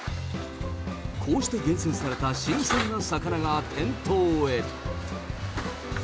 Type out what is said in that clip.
こうして厳選された新鮮な魚が店頭へ。